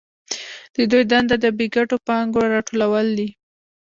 د دوی دنده د بې ګټو پانګو راټولول دي